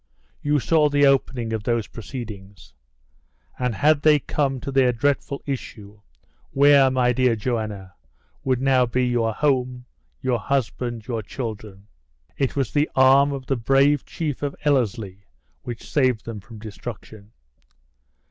You saw the opening of those proceedings! And had they come to their dreadful issue, where, my dear Joanna, would now be your home, your husband, your children? It was the arm of the brave chief of Ellerslie which saved them from destruction."